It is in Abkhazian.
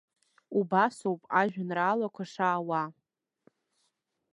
Убасоуп ажәеинраалақәа шаауа.